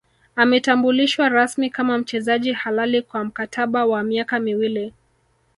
Ametambulishwa rasmi kama mchezaji halali kwa mkataba wa miaka miwili